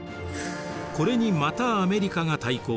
これにまたアメリカが対抗。